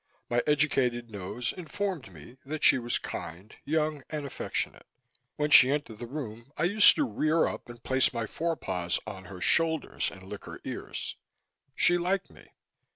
My educated nose informed me that she was kind, young and affectionate. When she entered the room I used to rear up and place my forepaws on her shoulders and lick her ears. She liked me.